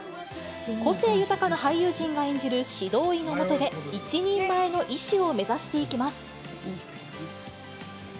個性豊かな俳優陣が演じる指導医の下で、一人前の医師を目指していきます。